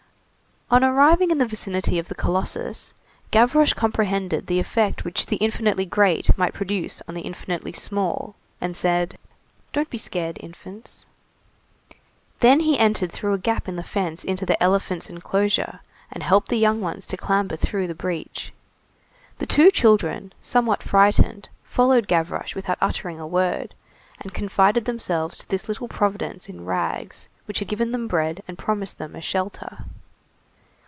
On arriving in the vicinity of the colossus, Gavroche comprehended the effect which the infinitely great might produce on the infinitely small, and said:— "Don't be scared, infants." Then he entered through a gap in the fence into the elephant's enclosure and helped the young ones to clamber through the breach. The two children, somewhat frightened, followed Gavroche without uttering a word, and confided themselves to this little Providence in rags which had given them bread and had promised them a shelter.